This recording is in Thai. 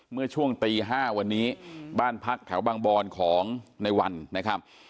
เมื่อช่วงตี๕วันนี้บ้านพักแถวบางบอนของในวันนะครับ